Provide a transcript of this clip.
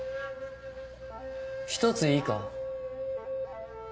一ついいか？